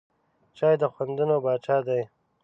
چای د خوندونو پاچا دی.